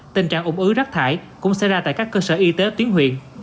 tình trạng ủng ứ rác thải cũng xảy ra tại các cơ sở y tế tuyến huyện